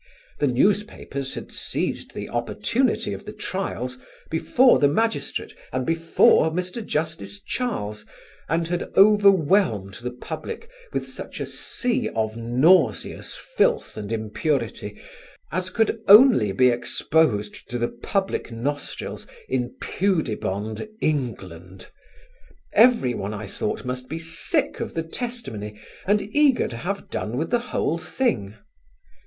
The newspapers had seized the opportunity of the trials before the magistrate and before Mr. Justice Charles and had overwhelmed the public with such a sea of nauseous filth and impurity as could only be exposed to the public nostrils in pudibond England. Everyone, I thought, must be sick of the testimony and eager to have done with the whole thing.